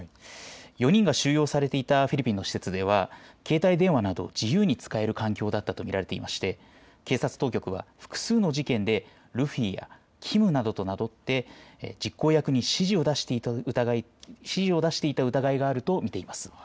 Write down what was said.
４人が収容されていたフィリピンの施設では携帯電話などを自由に使える環境だったと見られていまして警察当局は複数の事件でルフィやキムなどと名乗って実行役に指示を出していた疑いがあると見ています。